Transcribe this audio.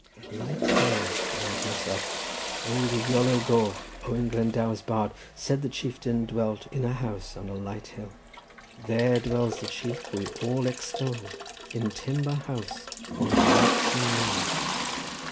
"A light hill!" said I to myself. "Old Iolo Goch, Owen Glendower's bard, said the chieftain dwelt in a house on a light hill." "There dwells the chief we all extol In timber house on lightsome knoll."